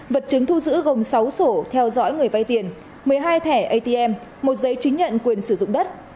vật chứng thu giữ gồm sáu sổ theo dõi người vay tiền một mươi hai thẻ atm một giấy chứng nhận quyền sử dụng đất